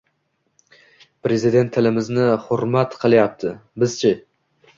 Prezident tilimizni hurmat qilyapti, biz -chi?!